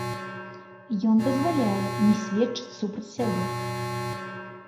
Ён дазваляе не сведчыць супраць сябе.